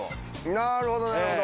なるほどなるほど。